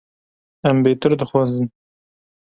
Em bêtir dixwazin.